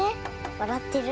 わらってる。